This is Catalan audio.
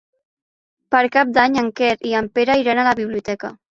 Per Cap d'Any en Quer i en Pere iran a la biblioteca.